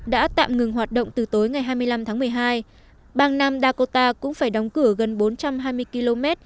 đã tạm ngừng hoạt động từ tối ngày hai mươi năm tháng một mươi hai bang nam dakota cũng phải đóng cửa gần bốn trăm hai mươi km